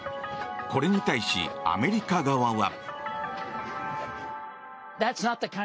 これに対し、アメリカ側は。